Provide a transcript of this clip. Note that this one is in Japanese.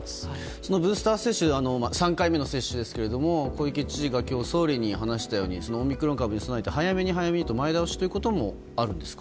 そのブースター接種３回目の接種ですが、小池知事が総理に話したようにオミクロン株に備えて早めに早めにと前倒しということもあるんですか。